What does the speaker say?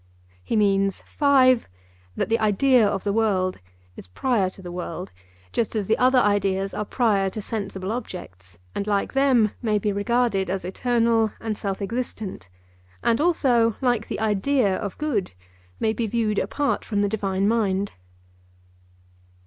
He means (5) that the idea of the world is prior to the world, just as the other ideas are prior to sensible objects; and like them may be regarded as eternal and self existent, and also, like the IDEA of good, may be viewed apart from the divine mind.